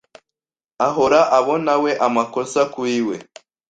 ahora abonawe amakosa kuri we.